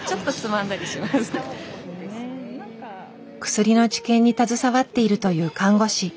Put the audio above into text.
薬の治験に携わっているという看護師。